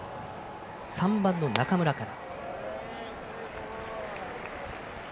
３番の中村から。